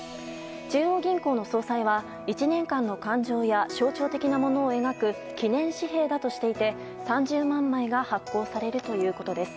中央銀行の総裁は１年間の感情や、象徴的なものを描く記念紙幣だとしていて３０万枚が発行されるということです。